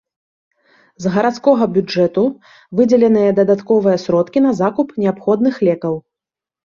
З гарадскога бюджэту выдзеленыя дадатковыя сродкі на закуп неабходных лекаў.